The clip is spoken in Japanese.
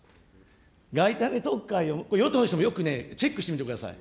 外為特会を、与党の人もよくね、チェックしてみてください。